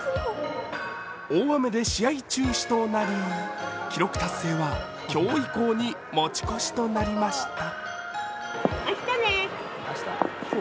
大雨で試合中止となり記録達成は、今日以降に持ち越しとなりました。